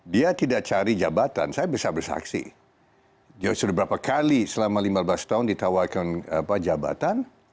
dia tidak cari jabatan saya bisa bersaksi dia sudah berapa kali selama lima belas tahun ditawarkan jabatan